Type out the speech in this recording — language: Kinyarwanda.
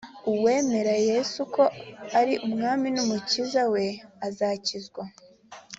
uwemera yesu ko ari umwami n umukiza we azakizwa